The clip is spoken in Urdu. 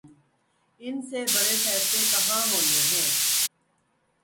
ان سے بڑے فیصلے کہاں ہونے ہیں۔